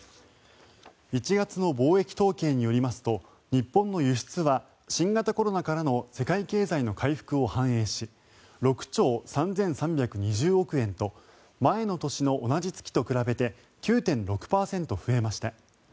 １月の貿易統計によりますと日本の輸出は新型コロナからの世界経済の回復を反映し６兆３３２０億円と前の年の同じ月と比べて９．６％増えました。